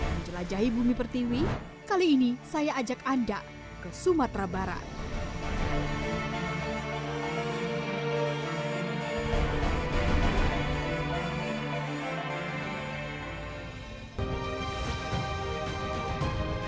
menjelajahi bumi pertiwi kali ini saya ajak anda ke sumatera barat